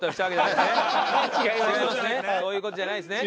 そういう事じゃないですね？